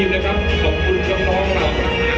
เมื่อเวลาอันดับสุดท้ายมันกลายเป้าหมายเป้าหมาย